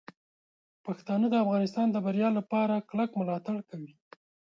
پښتانه د افغانستان د بریا لپاره کلک ملاتړ کوي.